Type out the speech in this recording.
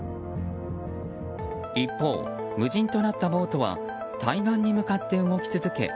一方、無人となったボートは対岸に向かって動き続け